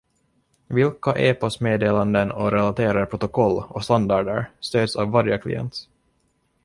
Vilka e-postmeddelanden och relaterade protokoll och standarder stöds av varje klient.